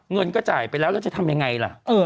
เงินก็จ่ายไปแล้วแล้วจะทำยังไงล่ะ